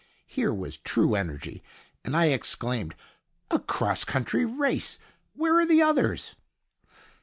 Here was true energy, and I exclaimed: "A cross country race! Where are the others?"